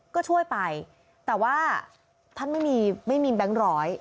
ก็ช่วยไปแต่ว่าท่านไม่มีไม่มีแบงค์ร้อย